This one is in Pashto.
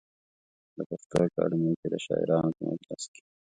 د پښتو اکاډمۍ کې د شاعرانو په مجلس کې.